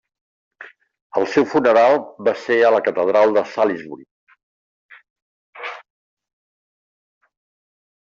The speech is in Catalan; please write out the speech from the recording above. El seu funeral va ser a la catedral de Salisbury.